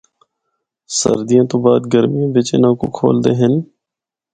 سردیوں تو بعد گرمیاں بچ اِناں کو کھولدے ہن۔